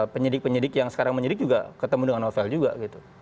penyidik penyidik yang sekarang menyidik juga ketemu dengan novel juga gitu